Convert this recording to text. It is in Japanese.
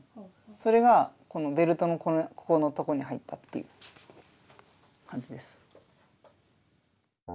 それがベルトのここのところに入ったっていう感じです。